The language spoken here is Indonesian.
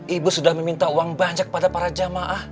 ibu sudah meminta uang banyak pada para jamaah